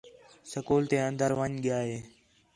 سکول تے اندر ون٘ڄ ڳِیا ہے